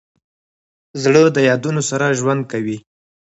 زړه د یادونو سره ژوند کوي.